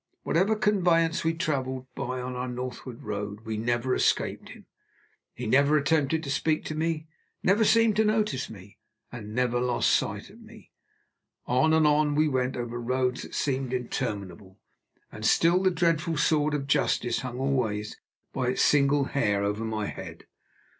Whatever conveyance we traveled by on our northward road, we never escaped him. He never attempted to speak to me, never seemed to notice me, and never lost sight of me. On and on we went, over roads that seemed interminable, and still the dreadful sword of justice hung always, by its single hair, over my head.